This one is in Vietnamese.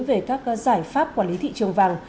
về các giải pháp quản lý thị trường vàng